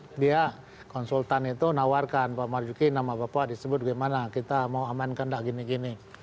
di media konsultan itu nawarkan pak marjokis nama bapak disebut gimana kita mau amankan dah gini gini